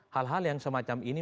hal hal yang semacam ini